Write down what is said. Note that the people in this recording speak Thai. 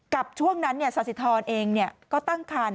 ช่วงนั้นสาธิธรเองก็ตั้งคัน